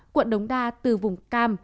quận đống đa từ vùng cam